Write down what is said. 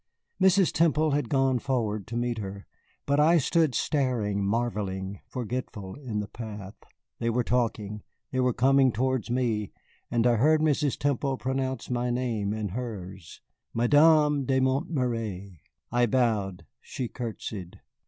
Mrs. Temple had gone forward to meet her, but I stood staring, marvelling, forgetful, in the path. They were talking, they were coming towards me, and I heard Mrs. Temple pronounce my name and hers Madame de Montméry. I bowed, she courtesied.